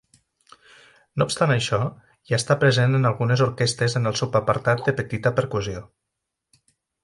No obstant això, ja està present en algunes orquestres en el subapartat de petita percussió.